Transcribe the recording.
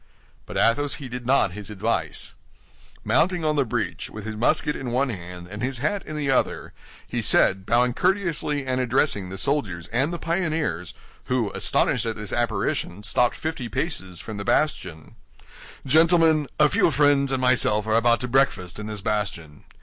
But Athos heeded not his advice. Mounting on the breach, with his musket in one hand and his hat in the other, he said, bowing courteously and addressing the soldiers and the pioneers, who, astonished at this apparition, stopped fifty paces from the bastion: "Gentlemen, a few friends and myself are about to breakfast in this bastion.